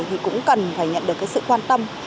thì cũng cần phải nhận được cái sự quan tâm